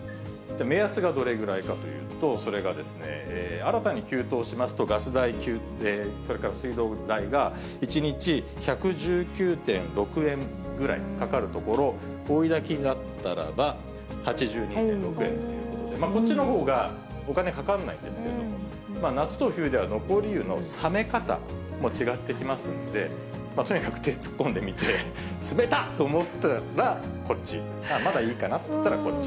目安がどれぐらいかというと、それが新たに給湯しますと、ガス代、それから水道代が１日１１９．６円ぐらいかかるところ、追いだきだったらば、８２．６円ということで、こっちのほうがお金かからないんですけれども、夏と冬では、残り湯の冷め方も違ってきますんで、とにかく手を突っ込んでみて、つめた！と思ったらこっち、まだいいかなと思ったら、こっち。